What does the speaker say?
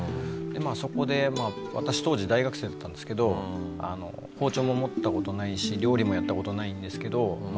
そこで私当時大学生だったんですけど包丁も持った事ないし料理もやった事ないんですけど。